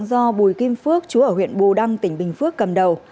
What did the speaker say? đối tượng do bùi kim phước chú ở huyện bù đăng tỉnh bình phước cầm đầu